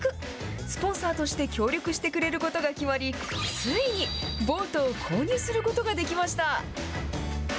スポンサーとして協力してくれることが決まり、ついにボートを購入することができました。